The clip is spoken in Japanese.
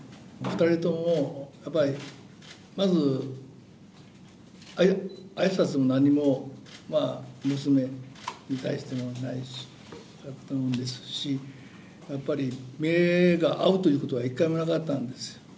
２人とも、やっぱりまず、あいさつも何も、娘に対してもないし、やっぱり、目が合うということは一回もなかったんです。